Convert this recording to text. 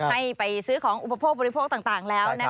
ให้ไปซื้อของอุปโภคบริโภคต่างแล้ว